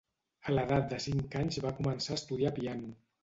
A l'edat de cinc anys va començar a estudiar piano.